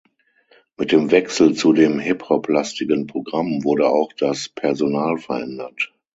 Mit dem Wechsel zu dem Hip-Hop-lastigen Programm wurde auch das Personal verändert.